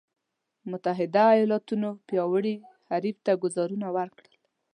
متحدو ایالتونو پیاوړي حریف ته ګوزارونه ورکړل.